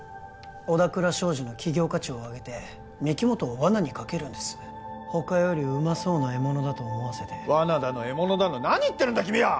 小田倉商事の企業価値を上げて御木本をワナにかけるんです他よりうまそうな獲物だと思わせてワナだの獲物だの何言ってるんだ君は！